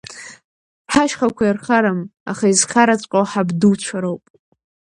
Ҳашьхақәа ирхарам, аха изхараҵәҟьоу ҳабдуцәа роуп.